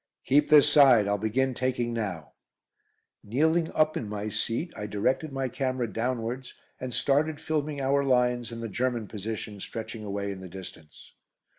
"Keep this side, I'll begin taking now." Kneeling up in my seat, I directed my camera downwards and started filming our lines and the German position stretching away in the distance.